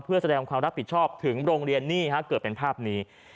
เพื่อแสดงความรับผิดชอบถึงโรงเรียนนี่ฮะเกิดเป็นภาพนี้